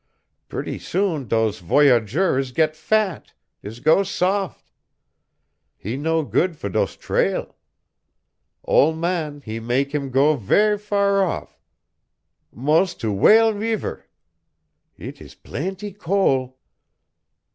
Purty soon dose voyageur is get fat, is go sof; he no good for dose trail. Ole man he mak' heem go ver' far off, mos' to Whale Reever. Eet is plaintee cole.